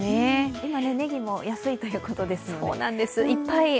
今、ねぎも安いということですのでいっぱい